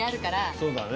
そうだね。